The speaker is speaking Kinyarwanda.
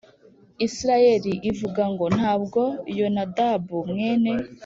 Isirayeli Ivuga Ngo Ntabwo Yonadabu Mwene